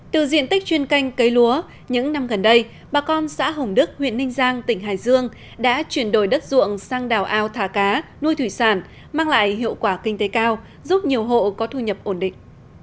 từ diện tích chuyên canh cây lúa những năm gần đây bà con xã hồng đức huyện ninh giang tỉnh hải dương đã chuyển đổi đất ruộng sang đảo ao thả cá nuôi thủy sản mang lại hiệu quả kinh tế cao giúp nhiều hộ có thu nhập ổn định